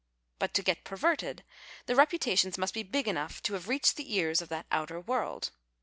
But, to get perverted, the rejjutations must be big enough to have reached the cars of that outer world.